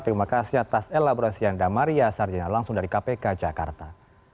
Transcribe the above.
terima kasih atas elaborasi anda maria sarjana langsung dari kpk jakarta